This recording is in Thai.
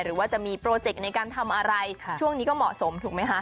หรือว่าจะมีโปรเจกต์ในการทำอะไรช่วงนี้ก็เหมาะสมถูกไหมคะ